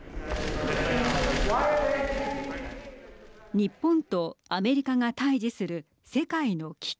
日本とアメリカが対じする世界の危機。